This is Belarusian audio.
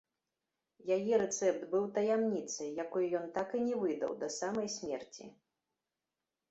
Яе рэцэпт быў таямніцай, якую ён так і не выдаў да самай смерці.